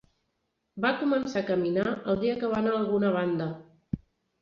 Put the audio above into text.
Va començar a caminar el dia que va anar a alguna banda